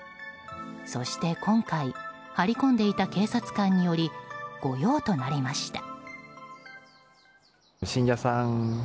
そして今回張り込んでいた警察官により御用となりました。